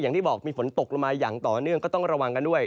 อย่างที่บอกมีฝนตกลงมาอย่างต่อเนื่องก็ต้องระวังกันด้วย